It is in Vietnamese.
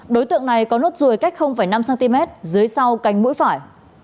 đối tượng này có nốt ruồi cách năm cm dưới sau cánh mũi phải